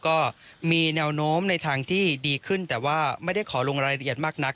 ก็มีแนวโน้มในทางที่ดีขึ้นแต่ว่าไม่ได้ขอลงรายละเอียดมากนัก